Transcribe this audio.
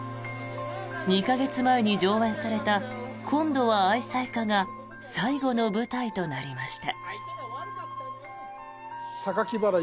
２か月前に上演された「今度は愛妻家」が最後の舞台となりました。